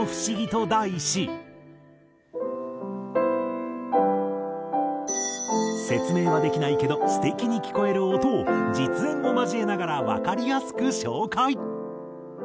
『きらきら星』説明はできないけど素敵に聞こえる音を実演を交えながらわかりやすく紹介。